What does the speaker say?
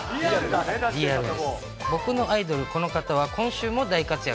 僕のアイドル、この方は今週も大活躍。